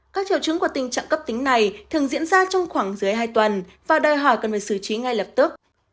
các triệu chứng của tình trạng cấp tính này thường diễn ra trong khoảng dưới hai tuần và đòi hỏi cần phải xử trí ngay lập tức